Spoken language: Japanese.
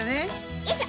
よいしょ。